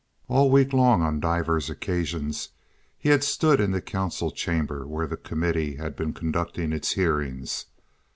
All week long on divers occasions he had stood in the council chamber where the committee had been conducting its hearings.